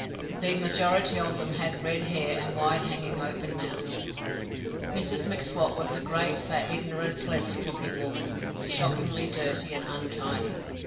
The majority of them had red hair and wide hanging open mouths. Mrs M'Swat was a great, fat, ignorant, pleasant looking woman, shockingly dirty and untidy.